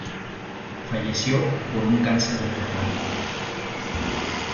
Falleció por un cáncer de pulmón.